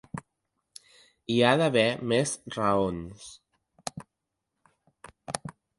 Hi ha d’haver més raons.